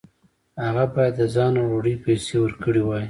هغه باید د ځای او ډوډۍ پیسې ورکړې وای.